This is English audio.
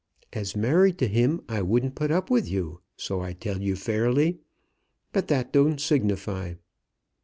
As married to him, I wouldn't put up with you; so I tell you fairly. But that don't signify.